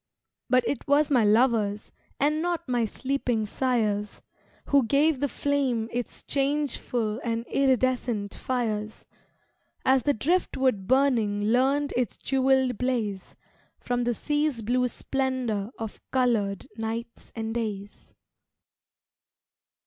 But it was my lovers, And not my sleeping sires, Who gave the flame its changeful And iridescent fires; As the driftwood burning Learned its jewelled blaze From the sea's blue splendor Of colored nights and days.